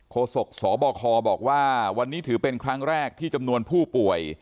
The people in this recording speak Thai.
โศกสบคบอกว่าวันนี้ถือเป็นครั้งแรกที่จำนวนผู้ป่วย